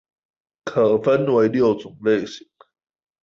可分為六種類型